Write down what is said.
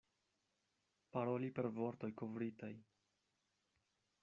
Paroli per vortoj kovritaj.